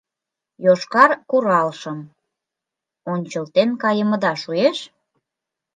«Йошкар куралшым» ончылтен кайымыда шуэш?